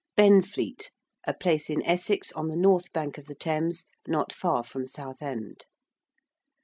~Benfleet~: a place in Essex, on the north bank of the Thames, not far from Southend.